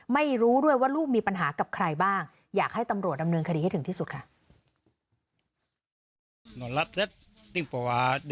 ไม่รู้ด้วยว่าลูกมีปัญหากับใครบ้างอยากให้ตำรวจดำเนินคดีให้ถึงที่สุดค่ะ